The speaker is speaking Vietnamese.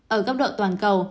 ở góc độ toàn cầu